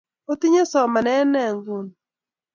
Otinye somanet ne inguni?